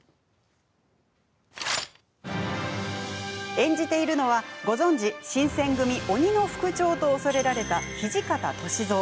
演じているのは、ご存じ新選組鬼の副長と恐れられた土方歳三。